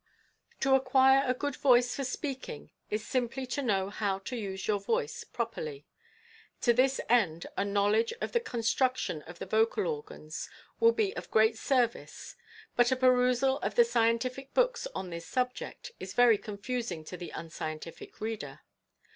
To acquire a good voice for speaking is simply to know how to use your voice properly. To this end a knowledge of the construction of the vocal organs will be of great service, but a perusal of the scientific books on this subject is very confusing to the unscientific reader.